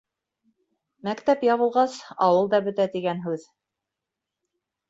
Мәктәп ябылғас, ауыл да бөтә, тигән һүҙ.